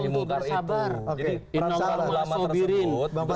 jadi perasaan ulama tersebut membutuhkan disitu aja